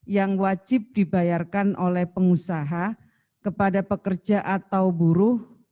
yang wajib dibayarkan oleh pengusaha kepada pekerja atau buruh